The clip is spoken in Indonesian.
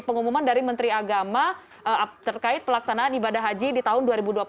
pengumuman dari menteri agama terkait pelaksanaan ibadah haji di tahun dua ribu dua puluh satu